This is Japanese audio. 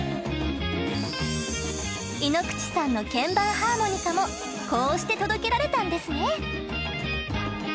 井ノ口さんの鍵盤ハーモニカもこうして届けられたんですね。